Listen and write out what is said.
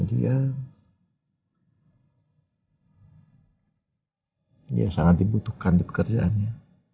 contohnya di pekerjaannya dia dia sangat dibutuhkan di pekerjaannya